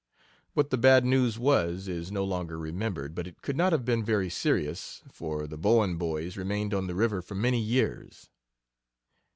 What the bad news was is no longer remembered, but it could not have been very serious, for the Bowen boys remained on the river for many years.